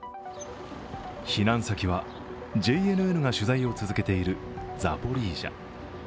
避難先は、ＪＮＮが取材を続けているザポリージャ。